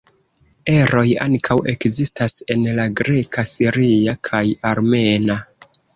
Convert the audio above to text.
Eroj ankaŭ ekzistas en la greka, siria kaj armena.